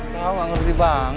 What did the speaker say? tau gak ngerti banget